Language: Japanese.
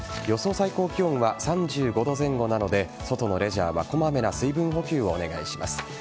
最高気温は３５度前後なので外のレジャーはこまめな水分補給をお願いします。